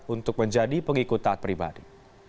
untuk menjadi pengikut taat pribadi